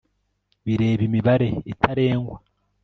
bireba imibare itarengwa